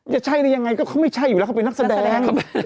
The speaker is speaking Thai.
จะใช่ได้ยังไงก็เขาไม่ใช่อยู่แล้วเขาเป็นนักแสดง